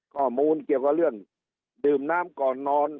ข้อมูลเกี่ยวกับเรื่องดื่มน้ำก่อนนอน